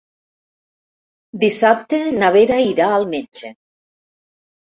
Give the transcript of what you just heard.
Dissabte na Vera irà al metge.